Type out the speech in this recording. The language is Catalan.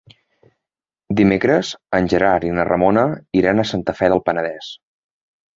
Dimecres en Gerard i na Ramona iran a Santa Fe del Penedès.